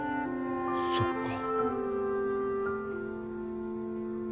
そっか。